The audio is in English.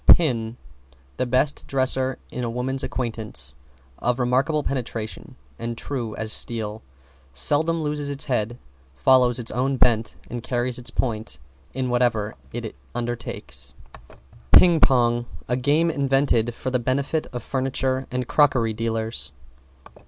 =PIN= The best dresser in a woman's acquaintance of remarkable penetration and true as steel, seldom loses its head, follows its own bent and carries its point in whatever it undertakes. =PING PONG= A game invented for the benefit of furniture and crockery dealers.